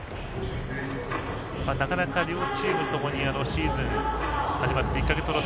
なかなか両チームともにシーズンが始まってから